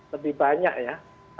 lebih banyak ya